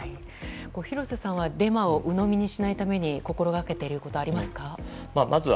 廣瀬さんはデマをうのみにしないために心がけていることはありますか？